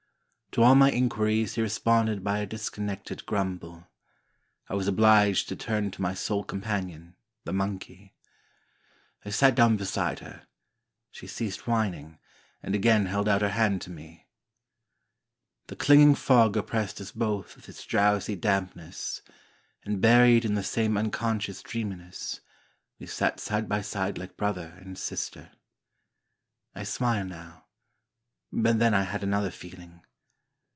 To all my inquiries he responded by a dis connected grumble. I was obliged to turn to my sole companion, the monkey. I sat down beside her ; she ceased whining, and again held out her hand to me. The clinging fog oppressed us both with its drowsy dampness ; and buried in the same un 318 POEMS IN PROSE conscious dreaminess, we sat side by side like brother and sister. I smile now ... but then I had another feeling.